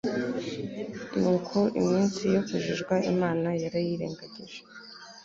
ni uko iyo minsi yo kujijwa imana yarayirengagije